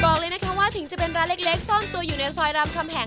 บอกเลยนะคะว่าถึงจะเป็นร้านเล็กซ่อนตัวอยู่ในซอยรามคำแหง